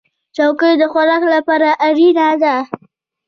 چوکۍ د خوراک لپاره اړینه ده.